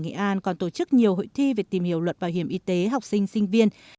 nghệ an còn tổ chức nhiều hội thi về tìm hiểu luật bảo hiểm y tế học sinh sinh viên